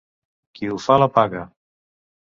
Qui ho fa la paga.